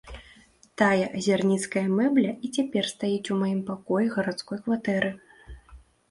Тая азярніцкая мэбля і цяпер стаіць у маім пакоі гарадской кватэры.